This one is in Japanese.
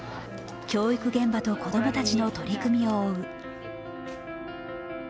教育現場と子供たちの取り組みを追う。